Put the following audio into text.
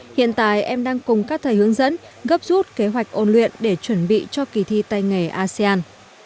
hiện tại em đang cùng các thầy hướng dẫn gấp rút kế hoạch ôn luyện để chuẩn bị cho kỳ thi tay nghề asean